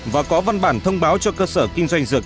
và có văn bản thông báo cho cơ sở kinh doanh dược